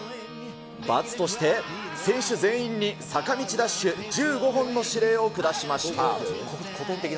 罰として、選手全員に坂道ダッシュ１５本の指令を下しました。